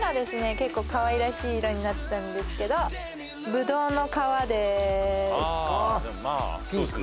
結構かわいらしい色になったんですけどぶどうの皮でーすああっピンク